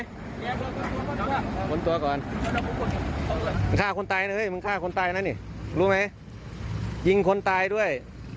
มันฆ่าคนตายนะเฮ้ยมันฆ่าคนตายนะนี่รู้ไหมยิงคนตายด้วย